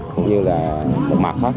cũng như là mặt khác